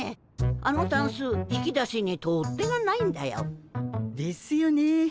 あのタンス引き出しに取っ手がないんだよ。ですよねえ。